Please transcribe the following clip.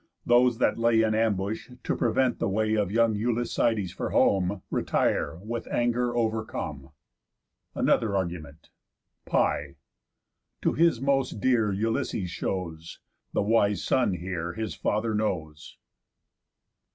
Those that lay In ambush, to prevent the way Of young Ulyssides for home, Retire, with anger overcome. ANOTHER ARGUMENT Πι̑. To his most dear Ulysses shows. The wise son here His father knows.